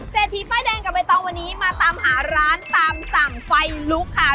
ทีป้ายแดงกับใบตองวันนี้มาตามหาร้านตามสั่งไฟลุกค่ะ